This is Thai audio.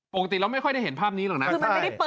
ปกติเราไม่ค่อยได้เห็นภาพนี้หรอกนะ